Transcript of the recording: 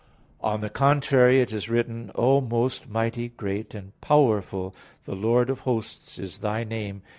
On the contrary, It is written: "O most mighty, great, and powerful, the Lord of hosts is Thy Name.